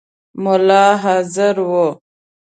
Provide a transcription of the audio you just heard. مُلا حاضر وو.